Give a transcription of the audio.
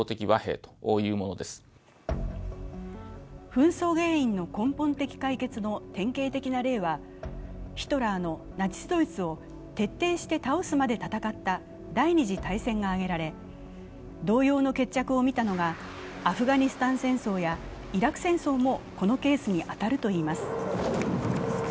紛争原因の根本的解決の典型的な例はヒトラーのナチス・ドイツを徹底して倒すまで戦った第二次大戦が挙げられ、同様の決着を見たのがアフガニスタン戦争やイラク戦争もこのケースに当たるといいます。